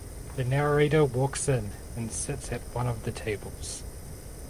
The narrator walks in and sits at one of the tables.